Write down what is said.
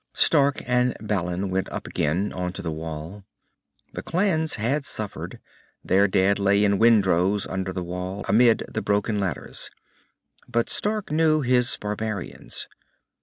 Stark and Balin went up again, onto the Wall. The clans had suffered. Their dead lay in windrows under the Wall, amid the broken ladders. But Stark knew his barbarians.